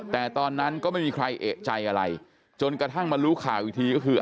แต่ตอนนั้นก็ไม่มีใครเอกใจอะไรจนกระทั่งมารู้ข่าวอีกทีก็คือ